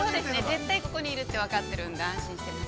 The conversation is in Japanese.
絶対ここにいると分かっているので安心しています。